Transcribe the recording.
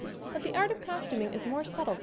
But the art of costuming is more subtle than that.